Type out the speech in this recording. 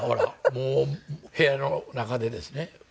もう部屋の中でですね